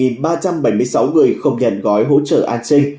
một ba trăm bảy mươi sáu người không nhận gói hỗ trợ an sinh